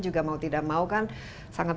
juga mau tidak mau kan sangat